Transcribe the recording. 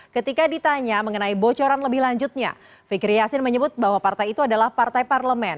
ketika ditanya mengenai bocoran lebih lanjutnya fikri yasin menyebut bahwa partai itu adalah partai parlemen